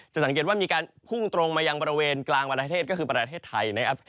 สังเกตว่ามีการพุ่งตรงมายังบริเวณกลางประเทศก็คือประเทศไทยนะครับ